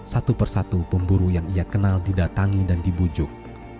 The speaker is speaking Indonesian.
satu persatu pemburu yang ia kenal didatangi dan dibujuk